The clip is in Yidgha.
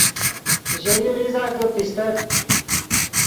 ژے یو ریزہ کہ پیستت